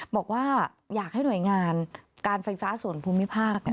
บอกว่าอยากให้หน่วยงานการไฟฟ้าส่วนภูมิภาค